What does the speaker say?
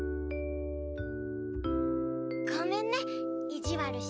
ごめんねいじわるしちゃって。